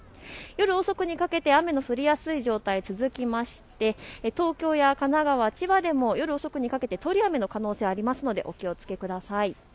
夜遅くにかけて雨の降りやすい状態、続いて東京や神奈川、千葉でも夜遅くにかけて通り雨の可能性がありますのでお気をつけください。